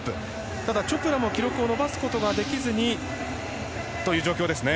ただ、チョプラも記録を伸ばすことができずにという状況ですね。